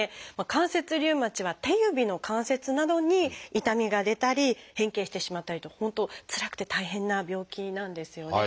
関節リウマチは手指の関節などに痛みが出たり変形してしまったりと本当つらくて大変な病気なんですよね。